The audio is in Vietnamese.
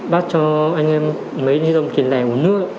bác cho anh em mấy triệu đồng tiền lẻ của nước